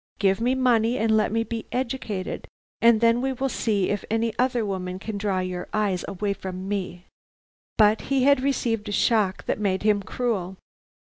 Give me money and let me be educated, and then we will see if any other woman can draw your eyes away from me.' "But he had received a shock that made him cruel.